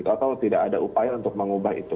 atau tidak ada upaya untuk mengubah itu